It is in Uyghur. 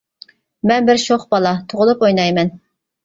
مەن بىر شوخ بالا، تۇغۇلۇپ ئوينايمەن.